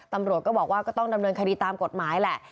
ตำรวจก็บอกว่าก็ต้องดำเนินคดีตามกฎหมายแหละ